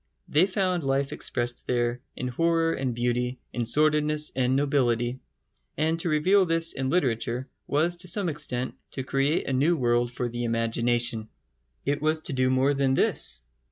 They found life expressed there in horror and beauty, in sordidness and nobility, and to reveal this in literature was to some extent to create a new world for the imagination. It was to do more than this.